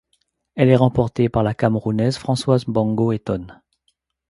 Elle est remportée par la Camerounaise Françoise Mbango Etone.